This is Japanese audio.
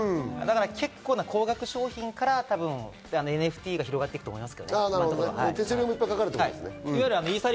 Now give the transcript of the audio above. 結構な高額商品からＮＦＴが広がっていくと思います。